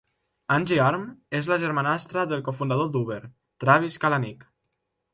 Anji Arm és la germanastra del cofundador d'Uber Travis Kalanick.